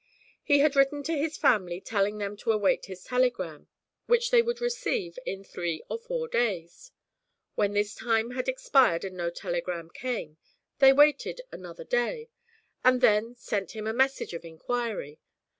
'"He had written to his family, telling them to await his telegram, which they would receive in three or four days. When this time had expired and no telegram came, they waited another day, and then sent him a message of inquiry.